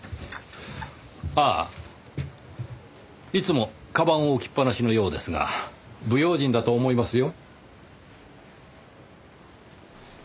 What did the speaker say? ああいつも鞄を置きっぱなしのようですが不用心だと思いますよ。